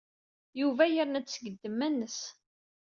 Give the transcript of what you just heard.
Yuba yerna-d seg ddemma-nnes.